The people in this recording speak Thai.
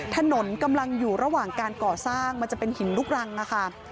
ถนนกำลังอยู่ระหว่างการก่อสร้างมันจะเป็นหินลูกรังค่ะ